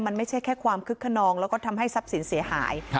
มันไม่ใช่แค่ความคึกขนองแล้วก็ทำให้ทรัพย์สินเสียหาย